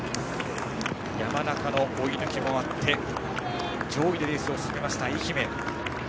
山中の追い抜きもあって上位でレースを進めました愛媛。